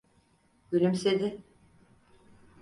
Gülümsedi.